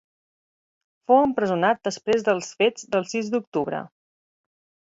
Fou empresonat després dels fets del sis d'octubre.